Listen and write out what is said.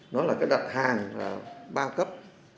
nó là cái đặt hàng ba cấp